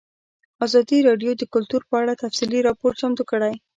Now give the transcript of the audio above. ازادي راډیو د کلتور په اړه تفصیلي راپور چمتو کړی.